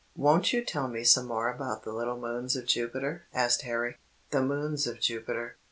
"Won't you tell me some more about the little moons of Jupiter?" asked Harry. THE MOONS OF JUPITER.